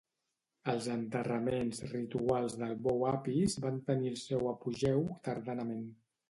Els enterraments rituals del bou Apis van tenir el seu apogeu tardanament.